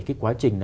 cái quá trình